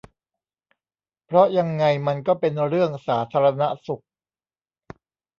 เพราะยังไงมันก็เป็นเรื่องสาธารณสุข